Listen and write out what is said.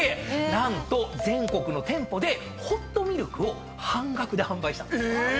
何と全国の店舗でホットミルクを半額で販売したんですよ。